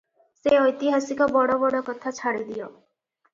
ସେ ଐତିହାସିକ ବଡ଼ ବଡ଼ କଥା ଛାଡ଼ିଦିଅ ।